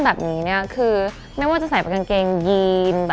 แบบนี้เนี่ยคือไม่ว่าจะใส่เป็นกางเกงยีน